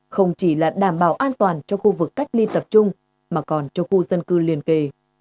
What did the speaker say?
không chỉ là đảm bảo an toàn cho khu vực cách ly tập trung mà còn cho khu dân cư liền kề